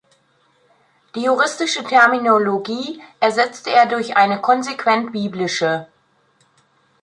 Die juristische Terminologie ersetzte er durch eine konsequent biblische.